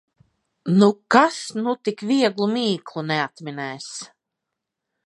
Nu, kas nu tik vieglu mīklu neatminēs!